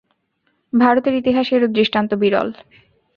ভারতের ইতিহাসে এরূপ দৃষ্টান্ত বিরল।